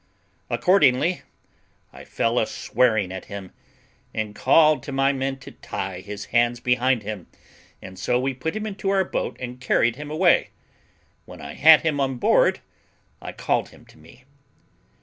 Accordingly I fell a swearing at him, and called to my men to tie his hands behind him, and so we put him into our boat and carried him away. When I had him on board, I called him to me.